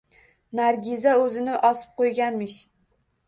Nargiza o`zini osib qo`yganmish